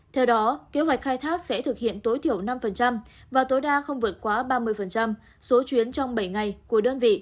theo đó kế hoạch khai thác sẽ thực hiện tối thiểu năm và tối đa không vượt quá ba mươi số chuyến trong bảy ngày của đơn vị